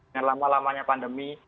yang lama lamanya pandemi